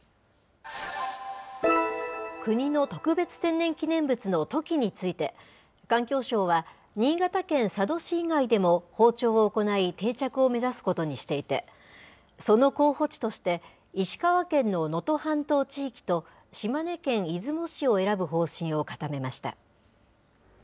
国の特別天然記念物のトキについて、環境省は新潟県佐渡市以外でも放鳥を行い、定着を目指すことにしていて、その候補地として、石川県の能登半島地域と島根県出雲市を選ぶ方針を固めました。